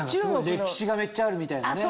歴史がめっちゃあるみたいなね。